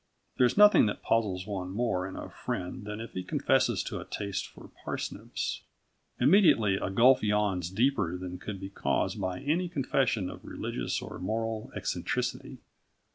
There is nothing that puzzles one more in a friend than if he confesses to a taste for parsnips. Immediately, a gulf yawns deeper than could be caused by any confession of religious or moral eccentricity.